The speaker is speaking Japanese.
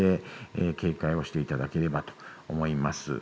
経過していただければと思います。